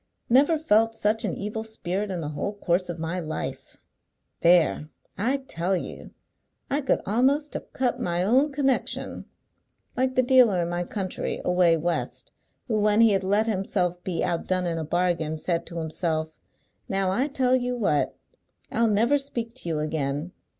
"Never felt such an evil spirit in the whole course of my life! There! I tell you! I could a'most have cut my own connection. Like the dealer in my country, away West, who when he had let himself be outdone in a bargain, said to himself, 'Now I tell you what! I'll never speak to you again.'